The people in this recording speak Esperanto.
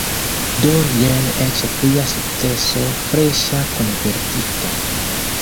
Do jen eĉ plia sukceso – freŝa konvertito!